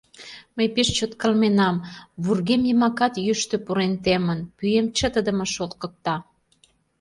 Мый пеш чот кылменам — вургем йымакат йӱштӧ пурен темын; пӱем чытыдымын шолткыкта.